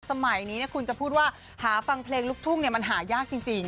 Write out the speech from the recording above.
สมัยนี้คุณจะพูดว่าหาฟังเพลงลูกทุ่งมันหายากจริง